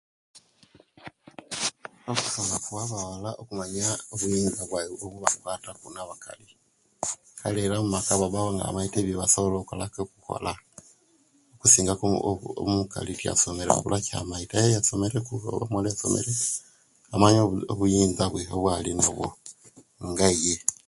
Okusoma kuwa abawala okumanya obuyinza bwaiwe obubakwataku na abakali kale era mumaka babba nga bamaite ku ebyebasobola okola okusinga ku o o omukali, tiyasomere wabula ekyamaite aye eyasomere ku amaite obuyinza bwe, nga iye.